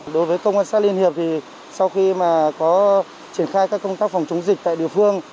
đối với công an xã liên hiệp thì sau khi mà có triển khai các công tác phòng chống dịch tại địa phương